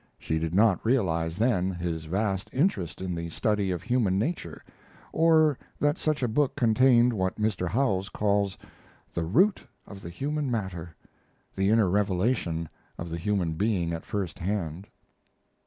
She did not realize then his vast interest in the study of human nature, or that such a book contained what Mr. Howells calls "the root of the human matter," the inner revelation of the human being at first hand.